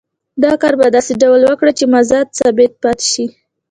دا کار په داسې ډول وکړي چې مزد ثابت پاتې شي